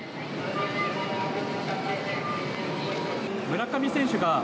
村上選手が。